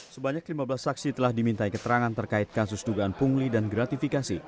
sebanyak lima belas saksi telah dimintai keterangan terkait kasus dugaan pungli dan gratifikasi